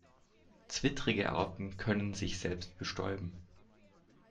Zwittrige Arten können sich selbst bestäuben.